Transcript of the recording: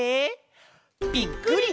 ぴっくり！